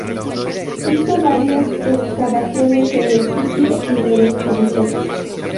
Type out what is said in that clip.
Hizo varias excavaciones en el sitio y lo describió.